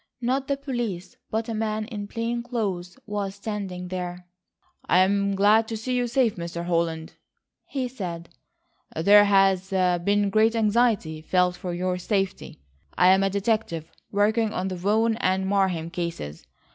Not the police, but a man in plain clothes was standing there. "I'm glad to see you safe, Mr. Holland," he said. "There has been great anxiety felt for your safety. I am a detective working on the Vaughan and Marheim cases.